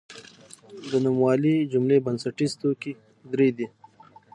د نوموالي جملې بنسټیز توکي درې دي.